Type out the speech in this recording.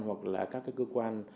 hoặc là các cơ quan